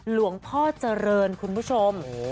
หลวงพ่อเจริญคุณผู้ชม